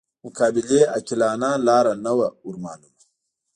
مقابلې عاقلانه لاره نه وه ورمعلومه.